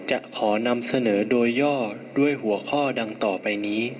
จะขอนำเสนอโดยย่อด้วยหัวข้อดังต่อไปนี้